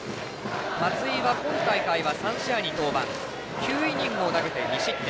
松井は今大会は３試合に登板９イニングを投げて２失点。